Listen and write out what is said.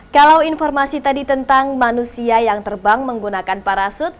kalau informasi tadi tentang manusia yang terbang menggunakan parasut